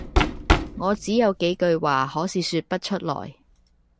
「我只有幾句話，可是説不出來。